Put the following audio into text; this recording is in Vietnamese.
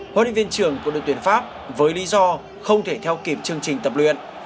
hội định viên trưởng của đội tuyển pháp với lý do không thể theo kịp chương trình tập luyện